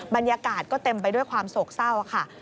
บรรยากาศก็เต็มไปด้วยความโศกเศร้าค่ะ